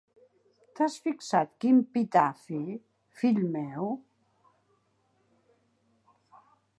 T'has fixat quin pitafi, fill meu?